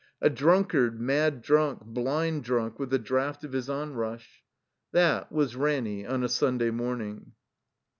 '' A drunkard, mad drunk, blind drunk with the draught of his onrush. That was Ranny on a Stmday morning.